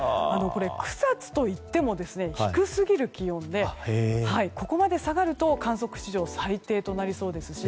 草津といっても、低すぎる気温でここまで下がると観測史上最低となりそうです。